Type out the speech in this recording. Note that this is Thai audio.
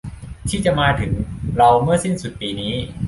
ที่จะมาถึงเราเมื่อสิ้นสุดปีนี้